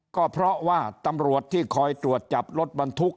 ก็เพราะว่าตำรวจที่คอยตรวจจับรถบรรทุก